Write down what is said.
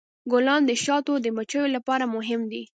ګلان د شاتو د مچیو لپاره مهم دي.